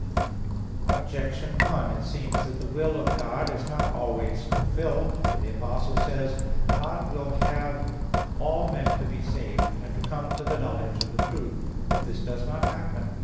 Objection 1: It seems that the will of God is not always fulfilled. For the Apostle says (1 Tim. 2:4): "God will have all men to be saved, and to come to the knowledge of the truth." But this does not happen.